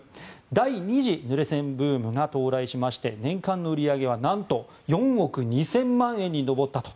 第２次ぬれ煎ブームが到来しまして年間の売り上げは何と４億２０００万円に上ったと。